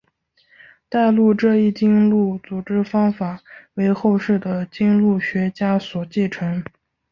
代录这一经录组织方法为后世的经录学家所继承。